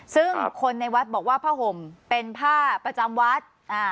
ซึ่งคนในวัดบอกว่าผ้าห่มเป็นผ้าประจำวัด